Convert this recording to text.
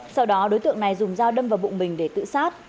sau đó đối tượng này dùng dao đâm vào bụng mình để tự sát